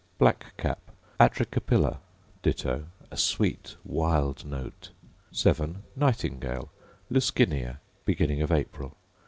Black cap, Atricapilla: Ditto: a sweet wild note. 7. Nightingale, Luscinia: Beginning of April.